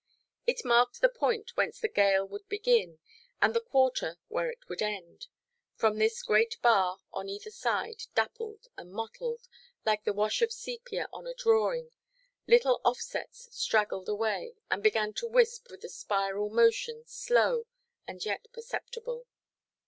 It marked the point whence the gale would begin, and the quarter where it would end. From this great bar, on either side, dappled and mottled, like the wash of sepia on a drawing, little offsets straggled away, and began to wisp with a spiral motion, slow and yet perceptible.